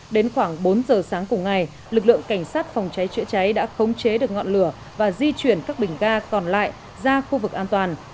đến khoảng bốn giờ sáng cùng ngày lực lượng cảnh sát phòng cháy chữa cháy đã khống chế được ngọn lửa và di chuyển các bình ga còn lại ra khu vực an toàn